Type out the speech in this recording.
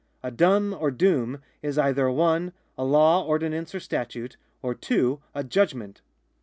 * A dom or doovi is either (1) aUaw, ordinance, or statute, or (2) a judgment.